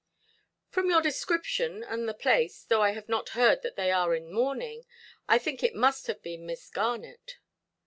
"From your description, and the place, though I have not heard that they are in mourning, I think it must have been Miss Garnet".